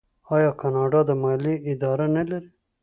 آیا کاناډا د مالیې اداره نلري؟